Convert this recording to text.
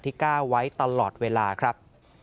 ที่ก้าวไว้ตลอดเวลาครับ